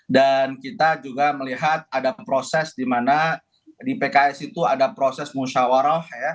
dan kita juga melihat ada proses di mana di pks itu ada proses musyawarah